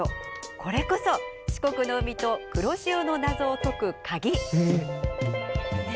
これこそ四国の海と黒潮の謎を解くカギ！